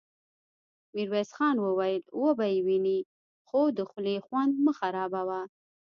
ميرويس خان وويل: وبه يې وينې، خو د خولې خوند مه خرابوه!